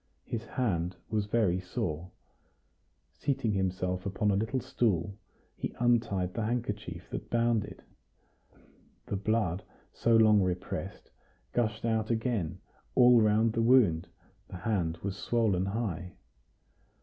His hand was very sore. Seating himself upon a little stool, he untied the handkerchief that bound it; the blood, so long repressed, gushed out again; all round the wound the hand was swollen high.